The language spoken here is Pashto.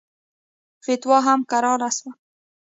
فتوا هم کراره سوه.